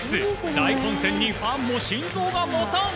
大混戦にファンも心臓が持たん。